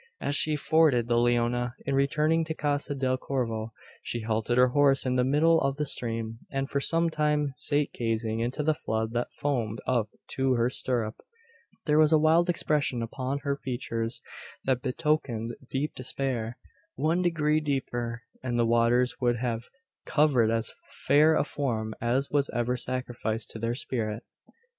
As she forded the Leona, in returning to Casa del Corvo, she halted her horse in the middle of the stream; and for some time sate gazing into the flood that foamed up to her stirrup. There was a wild expression upon her features that betokened deep despair. One degree deeper, and the waters would have covered as fair a form as was ever sacrificed to their Spirit!